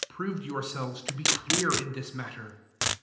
299 X)ved yourselves to be clear P3 this matter.